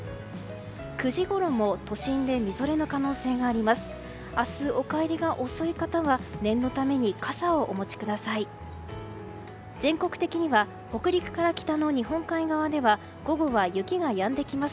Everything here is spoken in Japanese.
９時ごろも都心でみぞれの可能性があります。